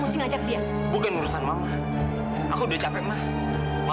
rizky tunggu dulu dengerin mama